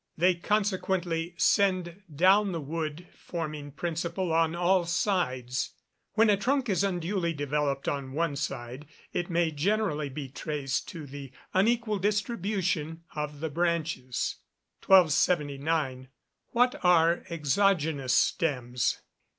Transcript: They consequently send down the wood forming principle on all sides. When a trunk is unduly developed on one side, it may generally be traced to the unequal distribution of the branches. 1279. _What are exogenous stems?